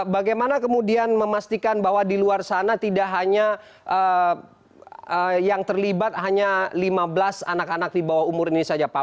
bagaimana kemudian memastikan bahwa di luar sana tidak hanya yang terlibat hanya lima belas anak anak di bawah umur ini saja pak